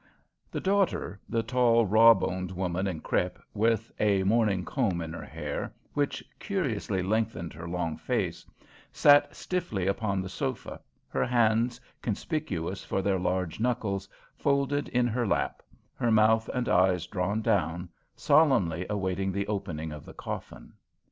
The daughter the tall, raw boned woman in crêpe, with a mourning comb in her hair which curiously lengthened her long face sat stiffly upon the sofa, her hands, conspicuous for their large knuckles, folded in her lap, her mouth and eyes drawn down, solemnly awaiting the opening of the coffin.